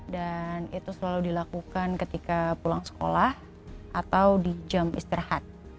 dan itu selalu dilakukan ketika pulang sekolah atau di jam istirahat